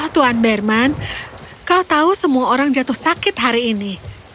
tuhan berman kau tahu semua orang jatuh sakit hari ini